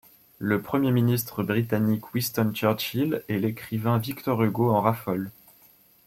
Le Premier ministre britannique Winston Churchill et l'écrivain Victor Hugo en raffolent.